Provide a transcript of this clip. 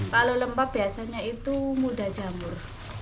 kalau lembab biasanya itu muda jamur